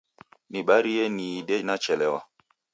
Nibarie niide nachelewa.